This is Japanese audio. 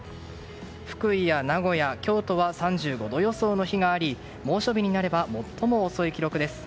福井や名古屋、京都は３５度予想の日があり猛暑日になれば最も遅い記録です。